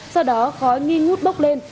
sau đó khói nghi ngút bốc lên